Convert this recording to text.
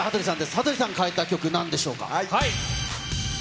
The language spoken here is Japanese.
羽鳥さんを変えた曲、なんでしょうか。